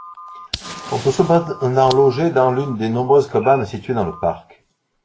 On peut cependant loger dans l'une des nombreuses cabanes situées dans le parc.